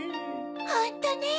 ホントね。